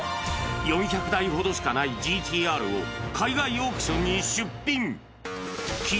４００台ほどしかないＧＴーＲを海外オークションに出品。